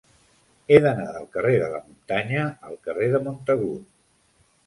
He d'anar del carrer de la Muntanya al carrer de Montagut.